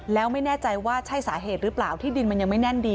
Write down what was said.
แล้วไม่แน่ใจว่าใช่สาเหตุหรือเปล่าที่ดินมันยังไม่แน่นดี